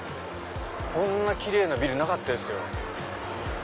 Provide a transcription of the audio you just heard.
こんな奇麗なビルなかったですよ。